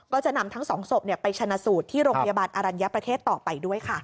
ก็จะนำทั้งสองศพไปชนะสูตรที่โรงพยาบาลอรัญญประเทศต่อไปด้วยค่ะ